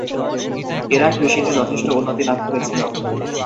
এরা কৃষিতে যথেষ্ট উন্নতি লাভ করেছিলো।